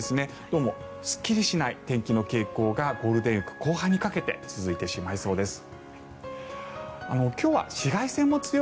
どうもすっきりしない天気の傾向がゴールデンウィーク後半にかけて続いてしまいそうです。